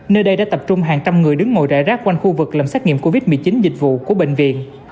nơi đây đã tập trung hàng trăm người đứng ngồi rải rác quanh khu vực làm xét nghiệm covid một mươi chín dịch vụ của bệnh viện